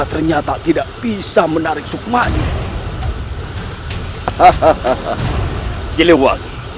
ternyata tidak bisa menarik sukmanya